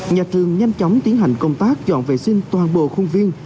nhà trường nhanh chóng tiến hành công tác dọn vệ sinh toàn bộ khuôn viên